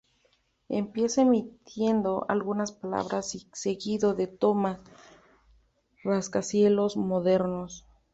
Empieza emitiendo algunas palabras seguido de tomas de rascacielos modernos.